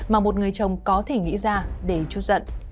mà một người chồng có thể nghĩ ra để chút giận